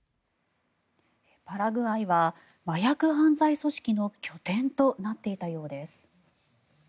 パラグアイは麻薬犯罪組織の拠点となっていたようです。